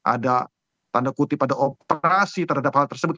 ada tanda kutip ada operasi terhadap hal tersebut